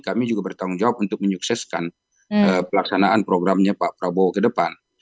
kami juga bertanggung jawab untuk menyukseskan pelaksanaan programnya pak prabowo ke depan